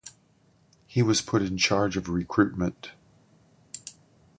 He was put in charge of recruitment.